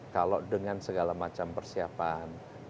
kalau dengan segala macam persiapan